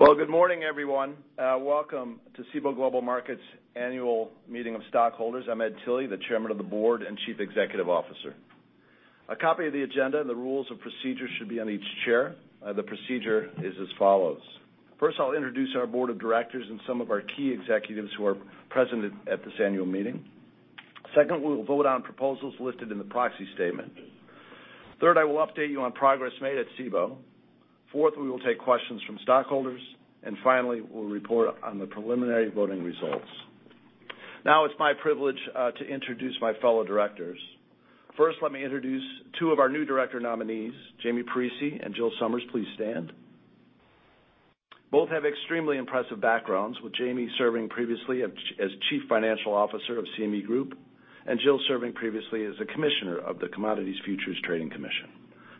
Well, good morning, everyone. Welcome to Cboe Global Markets' annual meeting of stockholders. I'm Ed Tilly, the Chairman of the Board and Chief Executive Officer. A copy of the agenda and the rules of procedure should be on each chair. The procedure is as follows. First, I'll introduce our board of directors and some of our key executives who are present at this annual meeting. Second, we will vote on proposals listed in the proxy statement. Third, I will update you on progress made at Cboe. Fourth, we will take questions from stockholders. Finally, we'll report on the preliminary voting results. Now it's my privilege to introduce my fellow directors. First, let me introduce two of our new director nominees, Jamie Parisi and Jill Sommers. Please stand. Both have extremely impressive backgrounds, with Jamie serving previously as Chief Financial Officer of CME Group, and Jill serving previously as a Commissioner of the Commodity Futures Trading Commission.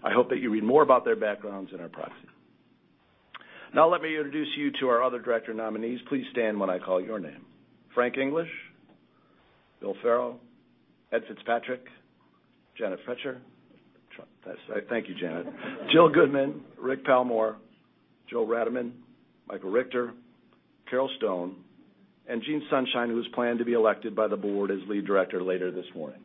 I hope that you read more about their backgrounds in our proxy. Now let me introduce you to our other director nominees. Please stand when I call your name. Frank English, Bill Farrow, Ed Fitzpatrick, Janet Froetscher. Thank you, Janet. Jill Goodman, Rick Palmore, Joe Ratterman, Michael Richter, Carole Stone, and Gene Sunshine, who is planned to be elected by the Board as Lead Director later this morning.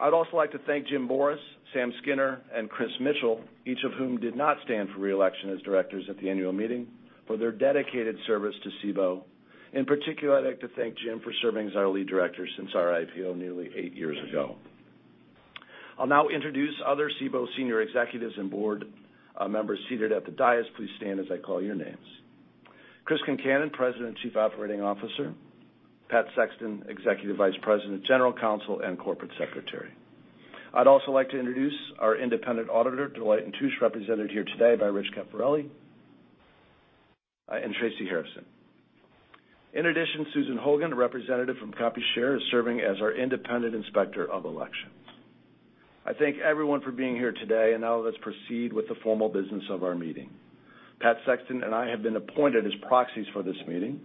I'd also like to thank Jim Boris, Sam Skinner, and Chris Mitchell, each of whom did not stand for reelection as directors at the annual meeting, for their dedicated service to Cboe. In particular, I'd like to thank Jim for serving as our Lead Director since our IPO nearly eight years ago. I'll now introduce other Cboe senior executives and board members seated at the dais. Please stand as I call your names. Chris Concannon, President and Chief Operating Officer. Pat Sexton, Executive Vice President, General Counsel, and Corporate Secretary. I'd also like to introduce our independent auditor, Deloitte & Touche, represented here today by Rich Caporelli and Tracy Harrison. In addition, Susan Hogan, a representative from Computershare, is serving as our independent inspector of elections. I thank everyone for being here today. Now let's proceed with the formal business of our meeting. Pat Sexton and I have been appointed as proxies for this meeting.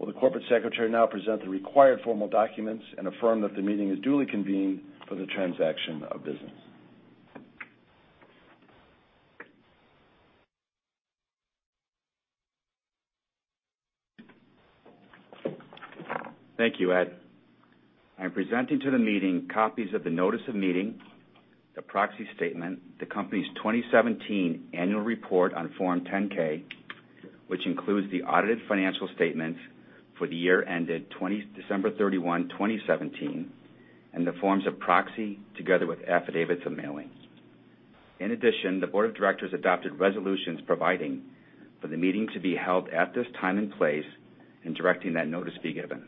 Will the Corporate Secretary now present the required formal documents and affirm that the meeting is duly convened for the transaction of business? Thank you, Ed. I'm presenting to the meeting copies of the notice of meeting, the proxy statement, the company's 2017 annual report on Form 10-K, which includes the audited financial statements for the year ended December 31, 2017, the forms of proxy, together with affidavits of mailing. In addition, the board of directors adopted resolutions providing for the meeting to be held at this time and place and directing that notice be given.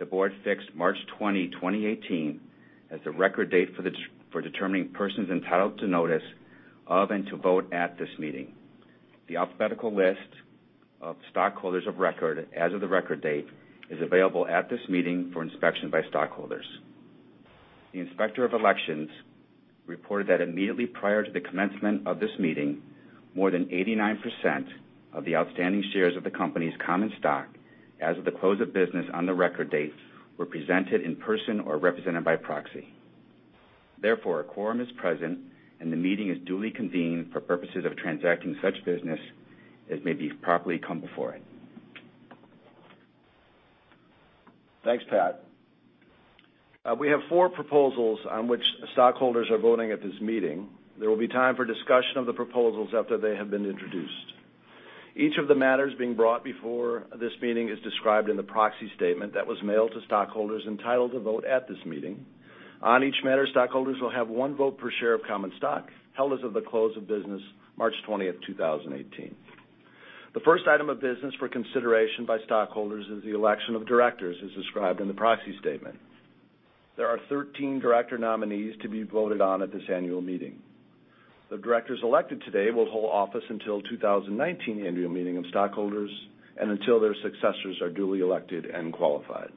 The board fixed March 20, 2018, as the record date for determining persons entitled to notice of and to vote at this meeting. The alphabetical list of stockholders of record as of the record date is available at this meeting for inspection by stockholders. The inspector of elections reported that immediately prior to the commencement of this meeting, more than 89% of the outstanding shares of the company's common stock as of the close of business on the record date were presented in person or represented by proxy. Therefore, a quorum is present, and the meeting is duly convened for purposes of transacting such business as may be properly come before it. Thanks, Pat. We have four proposals on which stockholders are voting at this meeting. There will be time for discussion of the proposals after they have been introduced. Each of the matters being brought before this meeting is described in the proxy statement that was mailed to stockholders entitled to vote at this meeting. On each matter, stockholders will have one vote per share of common stock held as of the close of business March 20, 2018. The first item of business for consideration by stockholders is the election of directors as described in the proxy statement. There are 13 director nominees to be voted on at this annual meeting. The directors elected today will hold office until 2019 annual meeting of stockholders and until their successors are duly elected and qualified.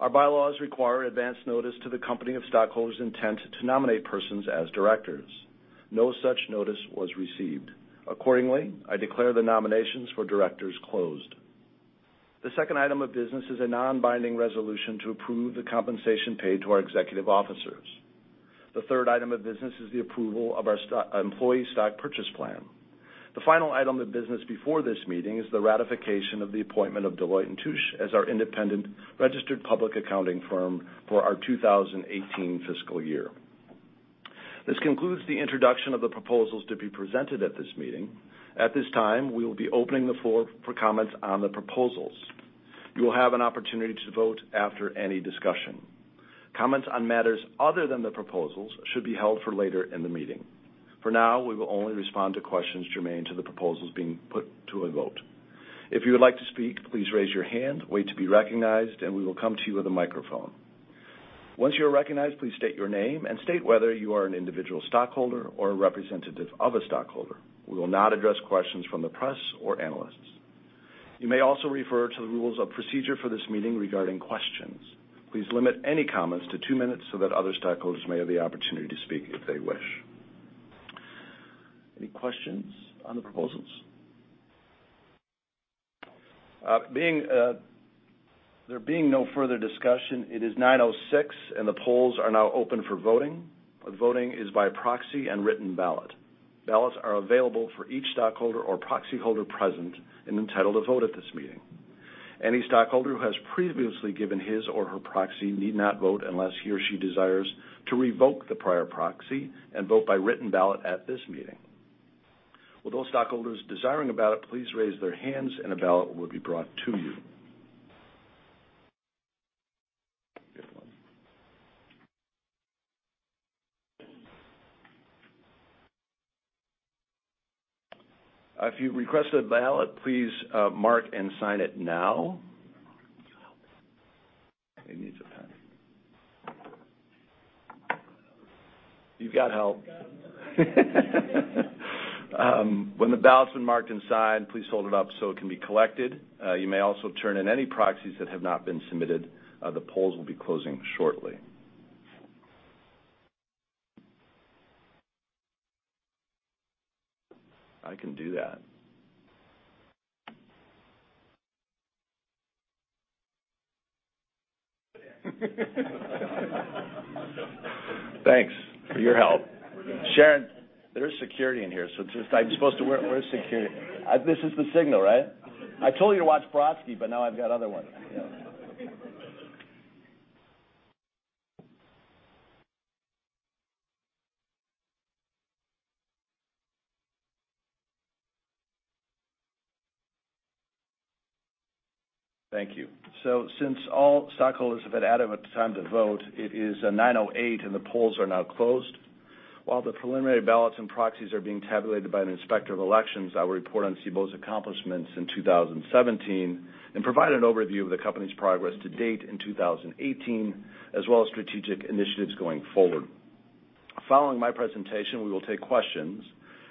Our bylaws require advance notice to the company of stockholders' intent to nominate persons as directors. No such notice was received. Accordingly, I declare the nominations for directors closed. The second item of business is a non-binding resolution to approve the compensation paid to our executive officers. The third item of business is the approval of our employee stock purchase plan. The final item of business before this meeting is the ratification of the appointment of Deloitte & Touche as our independent registered public accounting firm for our 2018 fiscal year. This concludes the introduction of the proposals to be presented at this meeting. At this time, we will be opening the floor for comments on the proposals. You will have an opportunity to vote after any discussion. Comments on matters other than the proposals should be held for later in the meeting. For now, we will only respond to questions germane to the proposals being put to a vote. If you would like to speak, please raise your hand, wait to be recognized, and we will come to you with a microphone. Once you are recognized, please state your name and state whether you are an individual stockholder or a representative of a stockholder. We will not address questions from the press or analysts. You may also refer to the rules of procedure for this meeting regarding questions. Please limit any comments to two minutes so that other stockholders may have the opportunity to speak if they wish. Any questions on the proposals? There being no further discussion, it is 9:06, and the polls are now open for voting. Voting is by proxy and written ballot. Ballots are available for each stockholder or proxy holder present and entitled to vote at this meeting. Any stockholder who has previously given his or her proxy need not vote unless he or she desires to revoke the prior proxy and vote by written ballot at this meeting. Will those stockholders desiring a ballot please raise their hands, and a ballot will be brought to you. If you request a ballot, please mark and sign it now. He needs a pen. You've got help. When the ballot's been marked and signed, please hold it up so it can be collected. You may also turn in any proxies that have not been submitted. The polls will be closing shortly. I can do that. Thanks for your help. Sharon, there is security in here, so it's just. Where is security? This is the signal, right? I told you to watch Brodsky, but now I've got other ones. Thank you. Since all stockholders have had time to vote, it is 9:08 A.M., and the polls are now closed. While the preliminary ballots and proxies are being tabulated by an inspector of elections, I will report on Cboe's accomplishments in 2017 and provide an overview of the company's progress to date in 2018, as well as strategic initiatives going forward. Following my presentation, we will take questions,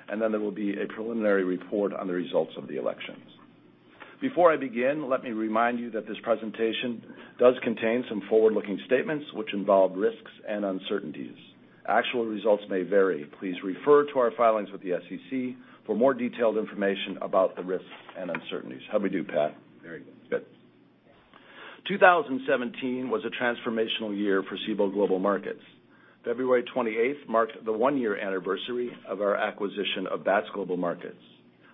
and then there will be a preliminary report on the results of the elections. Before I begin, let me remind you that this presentation does contain some forward-looking statements which involve risks and uncertainties. Actual results may vary. Please refer to our filings with the SEC for more detailed information about the risks and uncertainties. How'd we do, Pat? Very good. Good. 2017 was a transformational year for Cboe Global Markets. February 28th marked the one-year anniversary of our acquisition of Bats Global Markets.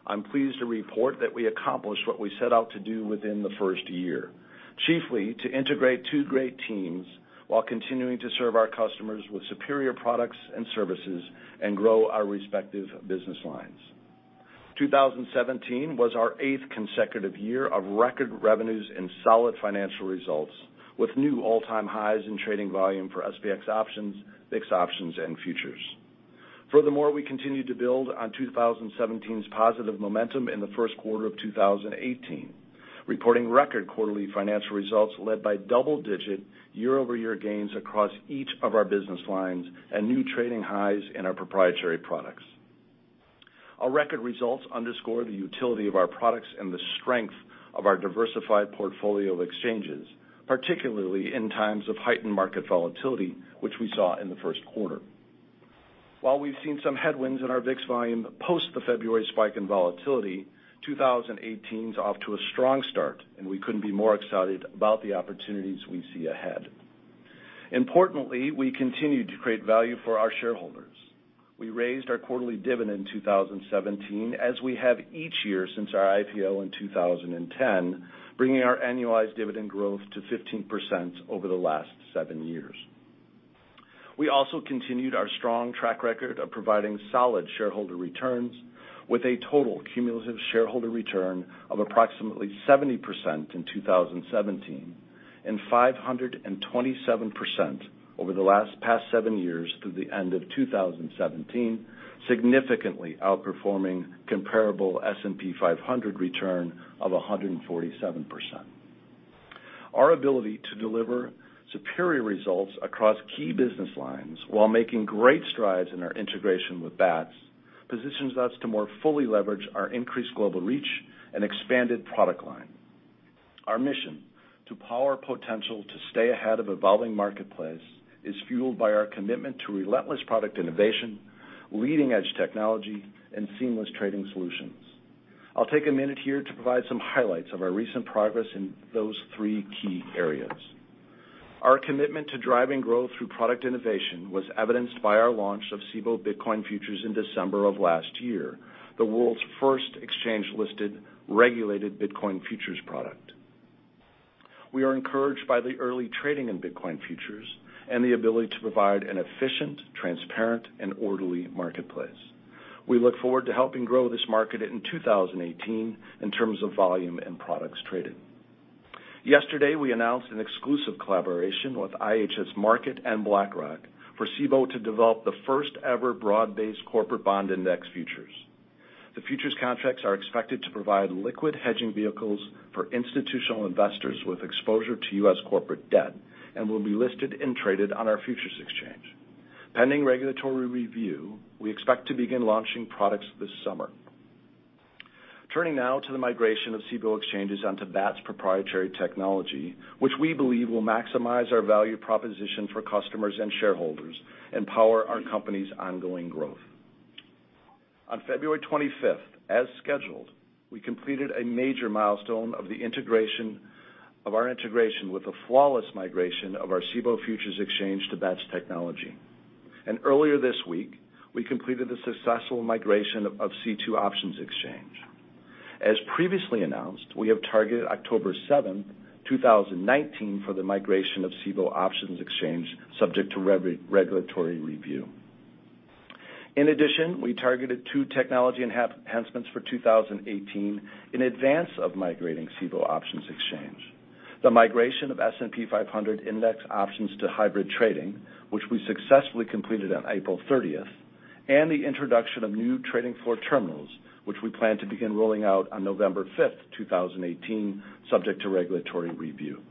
I'm pleased to report that we accomplished what we set out to do within the first year, chiefly, to integrate two great teams while continuing to serve our customers with superior products and services and grow our respective business lines. 2017 was our eighth consecutive year of record revenues and solid financial results, with new all-time highs in trading volume for SPX options, VIX options, and futures. Furthermore, we continued to build on 2017's positive momentum in the first quarter of 2018, reporting record quarterly financial results led by double-digit year-over-year gains across each of our business lines and new trading highs in our proprietary products. Our record results underscore the utility of our products and the strength of our diversified portfolio of exchanges, particularly in times of heightened market volatility, which we saw in the first quarter. While we've seen some headwinds in our VIX volume post the February spike in volatility, 2018's off to a strong start, and we couldn't be more excited about the opportunities we see ahead. Importantly, we continue to create value for our shareholders. We raised our quarterly dividend in 2017, as we have each year since our IPO in 2010, bringing our annualized dividend growth to 15% over the last seven years. We also continued our strong track record of providing solid shareholder returns with a total cumulative shareholder return of approximately 70% in 2017 and 527% over the last past seven years through the end of 2017, significantly outperforming comparable S&P 500 return of 147%. Our ability to deliver superior results across key business lines while making great strides in our integration with Bats positions us to more fully leverage our increased global reach and expanded product line. Our mission, to power potential to stay ahead of evolving marketplace, is fueled by our commitment to relentless product innovation, leading-edge technology, and seamless trading solutions. I'll take a minute here to provide some highlights of our recent progress in those three key areas. Our commitment to driving growth through product innovation was evidenced by our launch of Cboe Bitcoin futures in December of last year, the world's first exchange-listed, regulated Bitcoin futures product. We are encouraged by the early trading in Bitcoin futures and the ability to provide an efficient, transparent, and orderly marketplace. We look forward to helping grow this market in 2018 in terms of volume and products traded. Yesterday, we announced an exclusive collaboration with IHS Markit and BlackRock for Cboe to develop the first-ever broad-based corporate bond index futures. The futures contracts are expected to provide liquid hedging vehicles for institutional investors with exposure to U.S. corporate debt and will be listed and traded on our futures exchange. Pending regulatory review, we expect to begin launching products this summer. Turning now to the migration of Cboe exchanges onto Bats' proprietary technology, which we believe will maximize our value proposition for customers and shareholders and power our company's ongoing growth. On February 25th, as scheduled, we completed a major milestone of our integration with the flawless migration of our Cboe Futures Exchange to Bats technology. Earlier this week, we completed the successful migration of C2 Options Exchange. As previously announced, we have targeted October 7th, 2019, for the migration of Cboe Options Exchange, subject to regulatory review. In addition, we targeted two technology enhancements for 2018 in advance of migrating Cboe Options Exchange. The migration of S&P 500 index options to hybrid trading, which we successfully completed on April 30th, and the introduction of new trading floor terminals, which we plan to begin rolling out on November 5th, 2018, subject to regulatory review.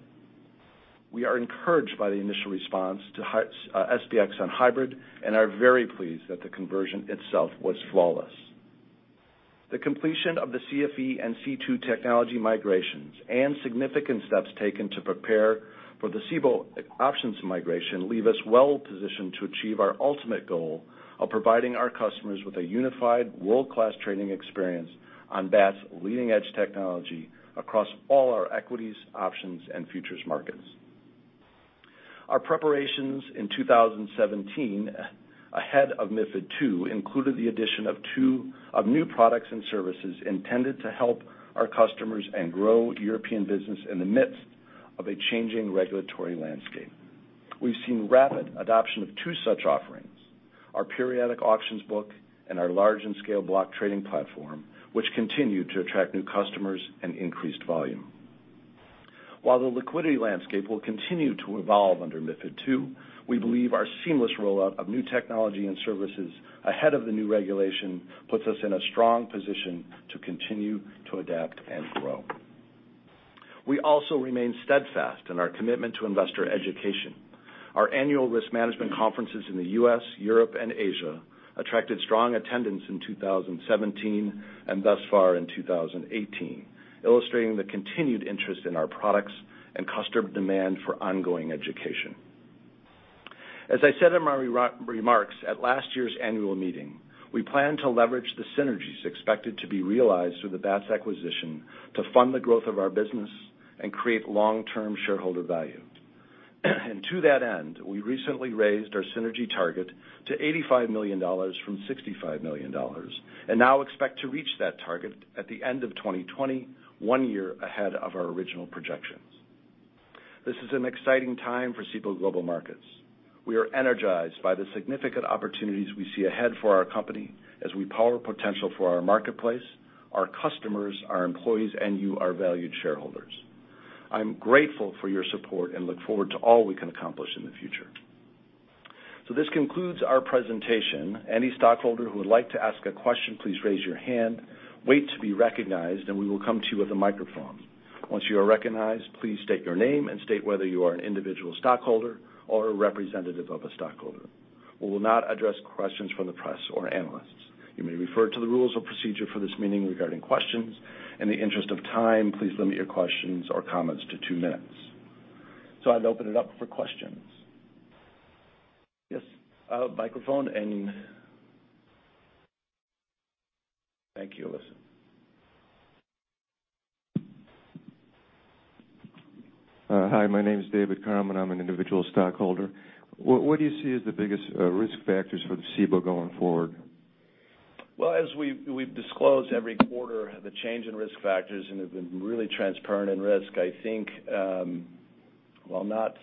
We are encouraged by the initial response to SPX on hybrid and are very pleased that the conversion itself was flawless. The completion of the CFE and C2 technology migrations and significant steps taken to prepare for the Cboe options migration leave us well positioned to achieve our ultimate goal of providing our customers with a unified world-class trading experience on Bats' leading-edge technology across all our equities, options, and futures markets. Our preparations in 2017 ahead of MiFID II included the addition of new products and services intended to help our customers and grow European business in the midst of a changing regulatory landscape. We've seen rapid adoption of two such offerings, our Periodic Auctions book and our Large in Scale block trading platform, which continue to attract new customers and increased volume. While the liquidity landscape will continue to evolve under MiFID II, we believe our seamless rollout of new technology and services ahead of the new regulation puts us in a strong position to continue to adapt and grow. We also remain steadfast in our commitment to investor education. Our annual risk management conferences in the U.S., Europe, and Asia attracted strong attendance in 2017 and thus far in 2018, illustrating the continued interest in our products and customer demand for ongoing education. As I said in my remarks at last year's annual meeting, we plan to leverage the synergies expected to be realized through the Bats acquisition to fund the growth of our business and create long-term shareholder value. To that end, we recently raised our synergy target to $85 million from $65 million, and now expect to reach that target at the end of 2020, one year ahead of our original projections. This is an exciting time for Cboe Global Markets. We are energized by the significant opportunities we see ahead for our company as we power potential for our marketplace, our customers, our employees, and you, our valued shareholders. I'm grateful for your support and look forward to all we can accomplish in the future. This concludes our presentation. Any stockholder who would like to ask a question, please raise your hand, wait to be recognized, and we will come to you with a microphone. Once you are recognized, please state your name and state whether you are an individual stockholder or a representative of a stockholder. We will not address questions from the press or analysts. You may refer to the rules of procedure for this meeting regarding questions. In the interest of time, please limit your questions or comments to two minutes. I'd open it up for questions. Yes, microphone and Thank you, Alyssa. Hi, my name is David Krell, and I'm an individual stockholder. What do you see as the biggest risk factors for the Cboe going forward? Well, as we've disclosed every quarter, the change in risk factors, and we've been really transparent in risk, I think, while not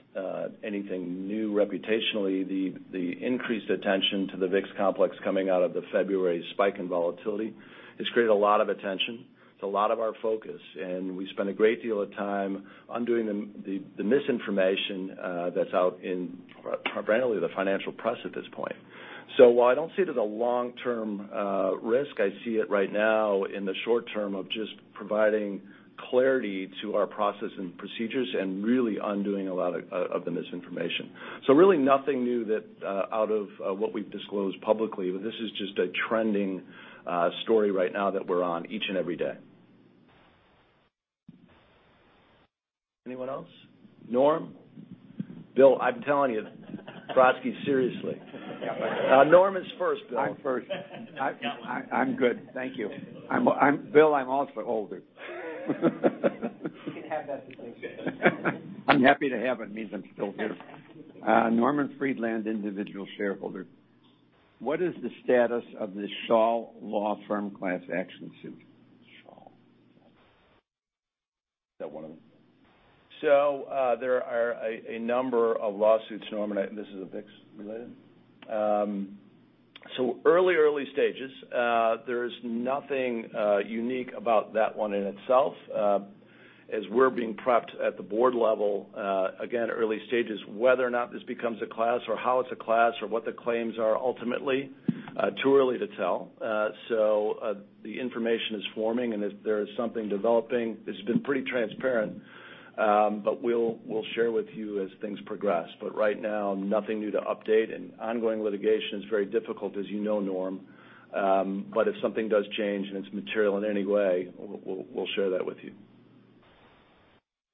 anything new reputationally, the increased attention to the VIX complex coming out of the February spike in volatility has created a lot of attention. It's a lot of our focus, and we spend a great deal of time undoing the misinformation that's out in primarily the financial press at this point. While I don't see it as a long-term risk, I see it right now in the short term of just providing clarity to our process and procedures and really undoing a lot of the misinformation. Really nothing new out of what we've disclosed publicly, but this is just a trending story right now that we're on each and every day. Anyone else? Norm? Bill, I'm telling you, Brodsky, seriously. Norm is first, Bill. I'm first. You got one. I'm good, thank you. Bill, I'm also older. You can have that distinction. I'm happy to have it. It means I'm still here. Norman Friedland, individual shareholder. What is the status of The Schall Law Firm class action suit? Schall. Is that one of them? There are a number of lawsuits, Norm, and this is VIX related? Early stages. There's nothing unique about that one in itself. As we're being prepped at the board level, again, early stages, whether or not this becomes a class or how it's a class or what the claims are ultimately, too early to tell. The information is forming, and if there is something developing, it's been pretty transparent, but we'll share with you as things progress. Right now, nothing new to update, and ongoing litigation is very difficult, as you know, Norm. If something does change and it's material in any way, we'll share that with you.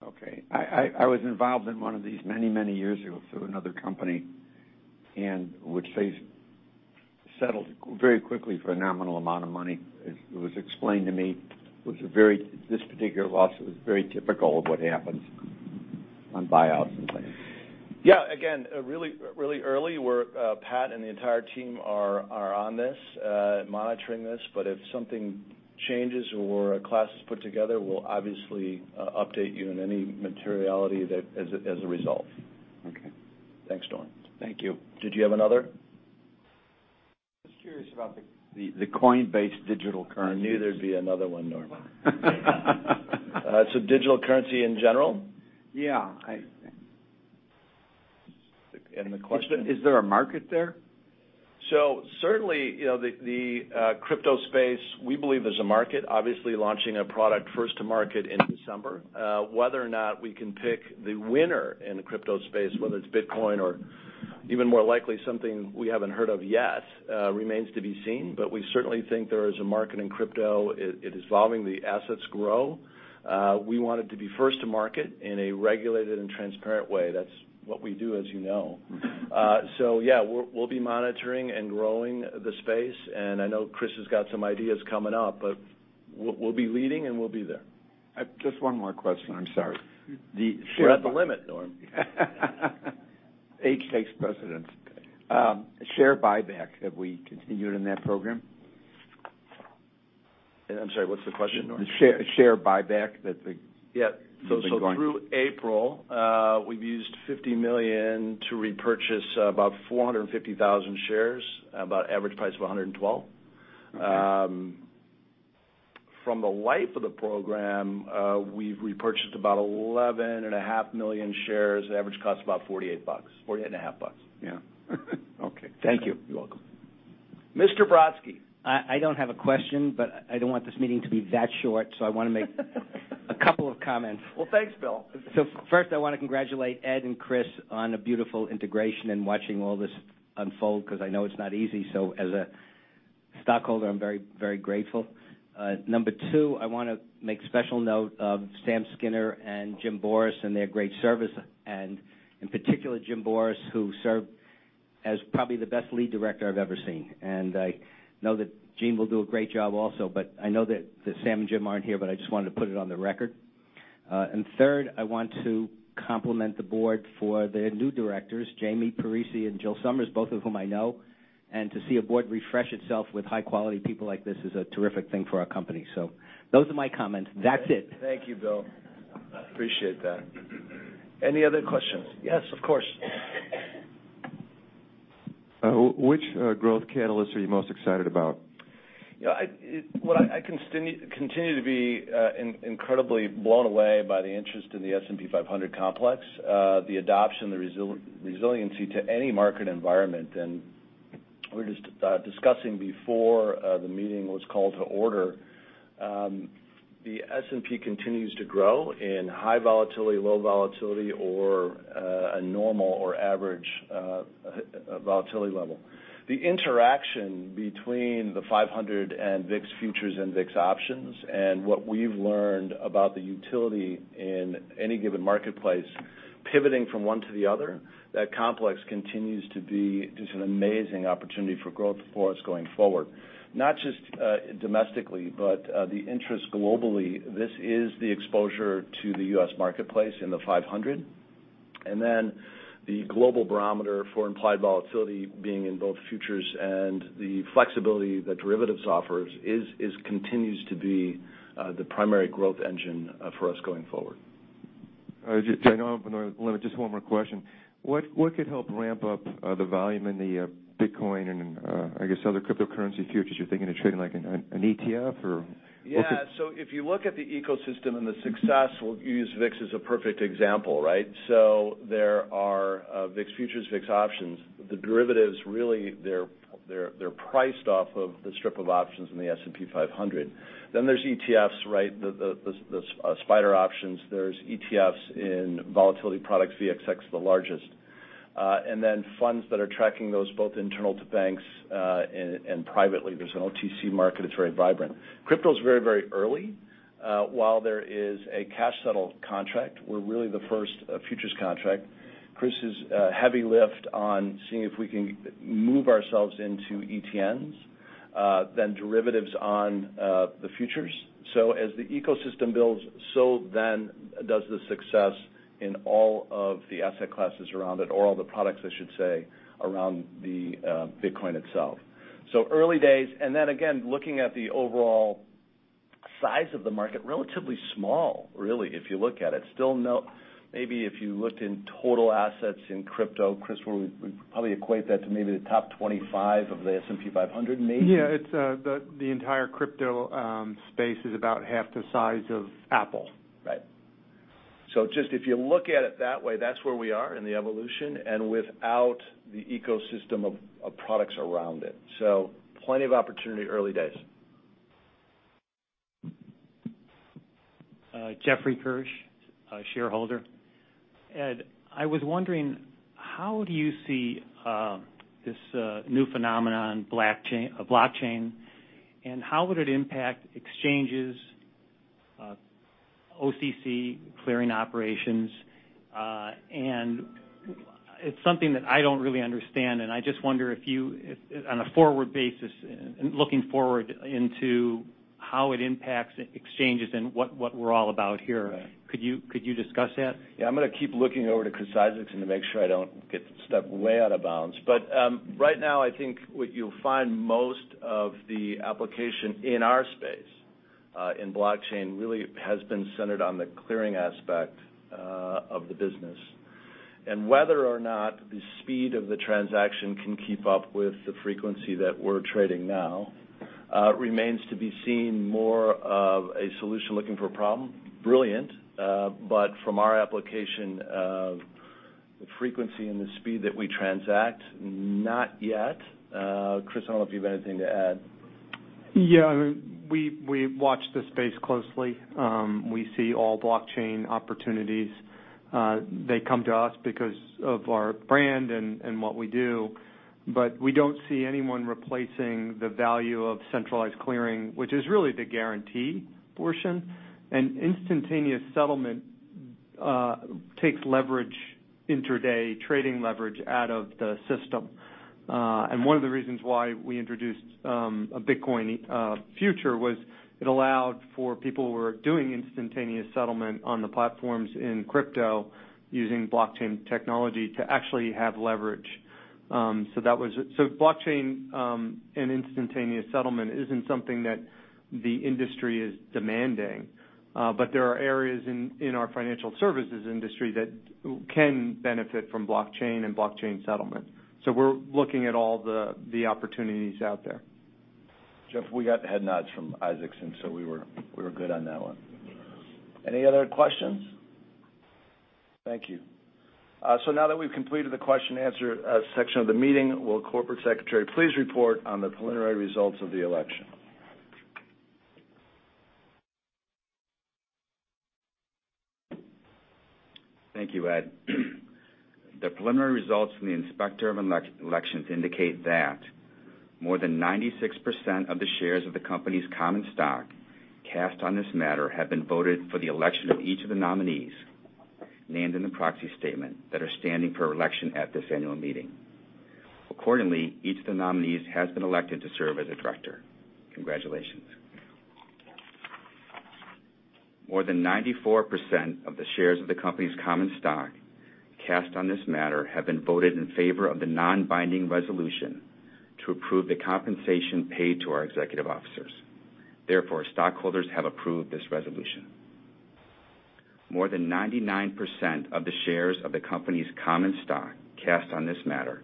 Okay. I was involved in one of these many, many years ago through another company, and which they settled very quickly for a nominal amount of money. It was explained to me, this particular lawsuit was very typical of what happens on buyouts and things. Yeah, again, really early. Pat and the entire team are on this, monitoring this, but if something changes or a class is put together, we'll obviously update you in any materiality that as a result. Okay. Thanks, Norm. Thank you. Did you have another? Just curious about the Coinbase digital currencies. I knew there'd be another one, Norm. Digital currency in general? Yeah. The question? Is there a market there? Certainly, the crypto space, we believe there's a market. Obviously launching a product first to market in December. Whether or not we can pick the winner in the crypto space, whether it's Bitcoin or even more likely something we haven't heard of yet, remains to be seen. We certainly think there is a market in crypto. It is evolving. The assets grow. We wanted to be first to market in a regulated and transparent way. That's what we do, as you know. Yeah, we'll be monitoring and growing the space, and I know Chris has got some ideas coming up, but we'll be leading, and we'll be there. Just one more question. I'm sorry. We're at the limit, Norm. Age takes precedence. Share buyback. Have we continued in that program? I'm sorry, what's the question, Norm? Share buyback. Yeah. You've been going. Through April, we've used $50 million to repurchase about 450,000 shares, about average price of $112. Okay. From the life of the program, we've repurchased about 11.5 million shares, average cost about $48, $48.50. Yeah. Okay. Thank you. You're welcome. Mr. Brodsky. I don't have a question, but I don't want this meeting to be that short, so I want a couple of comments. Well, thanks, Bill. First, I want to congratulate Ed and Chris on a beautiful integration and watching all this unfold, because I know it's not easy. As a stockholder, I'm very grateful. Number two, I want to make special note of Sam Skinner and Jim Boris and their great service, and in particular, Jim Borris, who served as probably the best lead director I've ever seen. I know that Gene will do a great job also, but I know that Sam and Jim aren't here, but I just wanted to put it on the record. Third, I want to compliment the board for their new directors, Jamie Parisi and Jill Sommers, both of whom I know. To see a board refresh itself with high-quality people like this is a terrific thing for our company. Those are my comments. That's it. Thank you, Bill. Appreciate that. Any other questions? Yes, of course. Which growth catalyst are you most excited about? I continue to be incredibly blown away by the interest in the S&P 500 complex, the adoption, the resiliency to any market environment. We were just discussing before the meeting was called to order, the S&P continues to grow in high volatility, low volatility, or a normal or average volatility level. The interaction between the 500 and VIX futures and VIX options and what we've learned about the utility in any given marketplace pivoting from one to the other, that complex continues to be just an amazing opportunity for growth for us going forward, not just domestically, but the interest globally. This is the exposure to the U.S. marketplace in the 500. Then the global barometer for implied volatility being in both futures and the flexibility that derivatives offers continues to be the primary growth engine for us going forward. I know I'm on the limit. Just one more question. What could help ramp up the volume in the Bitcoin and I guess other cryptocurrency futures? You're thinking of trading like an ETF or what could- Yeah. If you look at the ecosystem and the success, we'll use VIX as a perfect example, right? There are VIX futures, VIX options. The derivatives really, they're priced off of the strip of options in the S&P 500. There's ETFs, right? The SPDR options. There's ETFs in volatility products, VXX the largest. Then funds that are tracking those both internal to banks and privately. There's an OTC market. It's very vibrant. Crypto's very early. While there is a cash settle contract, we're really the first futures contract. Chris is heavy lift on seeing if we can move ourselves into ETNs, then derivatives on the futures. As the ecosystem builds, so then does the success in all of the asset classes around it or all the products, I should say, around the Bitcoin itself. Early days, then again, looking at the overall size of the market, relatively small, really, if you look at it. Maybe if you looked in total assets in crypto, Chris, we'd probably equate that to maybe the top 25 of the S&P 500, maybe? Yeah. The entire crypto space is about half the size of Apple. Right. Just if you look at it that way, that's where we are in the evolution and without the ecosystem of products around it. Plenty of opportunity, early days. Jeffrey Kirsch, shareholder Ed, I was wondering, how do you see this new phenomenon, blockchain, and how would it impact exchanges, OCC clearing operations? It's something that I don't really understand, and I just wonder if you, on a forward basis, looking forward into how it impacts exchanges and what we're all about here. Right. Could you discuss that? Yeah, I'm going to keep looking over to Chris Isaacson to make sure I don't get stuck way out of bounds. Right now, I think what you'll find most of the application in our space, in blockchain, really has been centered on the clearing aspect of the business. Whether or not the speed of the transaction can keep up with the frequency that we're trading now remains to be seen. More of a solution looking for a problem. Brilliant. From our application of the frequency and the speed that we transact, not yet. Chris, I don't know if you have anything to add. Yeah. We watch this space closely. We see all blockchain opportunities. They come to us because of our brand and what we do. We don't see anyone replacing the value of centralized clearing, which is really the guarantee portion. Instantaneous settlement takes leverage, intraday trading leverage, out of the system. One of the reasons why we introduced a Bitcoin future was it allowed for people who were doing instantaneous settlement on the platforms in crypto using blockchain technology to actually have leverage. Blockchain and instantaneous settlement isn't something that the industry is demanding. There are areas in our financial services industry that can benefit from blockchain and blockchain settlement. We're looking at all the opportunities out there. Jeff, we got head nods from Isaacson, we were good on that one. Any other questions? Thank you. Now that we've completed the question and answer section of the meeting, will Corporate Secretary please report on the preliminary results of the election? Thank you, Ed. The preliminary results from the Inspector of Elections indicate that more than 96% of the shares of the company's common stock cast on this matter have been voted for the election of each of the nominees named in the proxy statement that are standing for election at this annual meeting. Accordingly, each of the nominees has been elected to serve as a director. Congratulations. More than 94% of the shares of the company's common stock cast on this matter have been voted in favor of the non-binding resolution to approve the compensation paid to our executive officers. Therefore, stockholders have approved this resolution. More than 99% of the shares of the company's common stock cast on this matter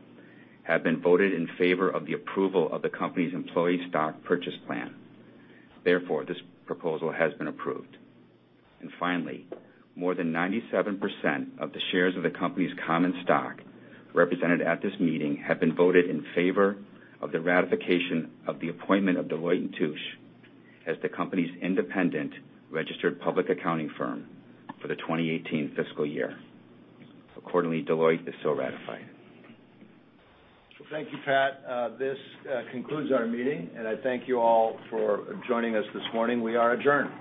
have been voted in favor of the approval of the company's employee stock purchase plan. Therefore, this proposal has been approved. Finally, more than 97% of the shares of the company's common stock represented at this meeting have been voted in favor of the ratification of the appointment of Deloitte & Touche as the company's independent registered public accounting firm for the 2018 fiscal year. Accordingly, Deloitte is so ratified. Thank you, Pat. This concludes our meeting, and I thank you all for joining us this morning. We are adjourned.